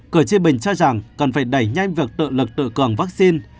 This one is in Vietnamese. cửa chi bình cho rằng cần phải đẩy nhanh việc tự lực tự cường vaccine